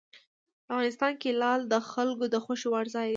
افغانستان کې لعل د خلکو د خوښې وړ ځای دی.